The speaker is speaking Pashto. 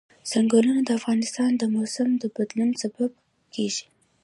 ځنګلونه د افغانستان د موسم د بدلون سبب کېږي.